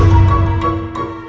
ya allah ya allah